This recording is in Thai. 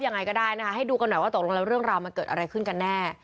ยังไงก็ได้นะคะให้ดูกันหน่อยว่าตกลงแล้วเรื่องราวมันเกิดอะไรขึ้นกันแน่